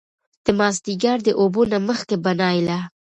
د مازديګر د اوبو نه مخکې به نايله